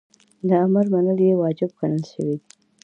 د امر منل یی واجب ګڼل سوی دی .